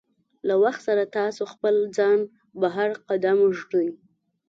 له وخت سره ستاسو خپل ځان بهر قدم ږدي.